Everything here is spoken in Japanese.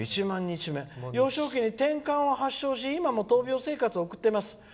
「幼少期にてんかんを発症し今も闘病生活を送っています」。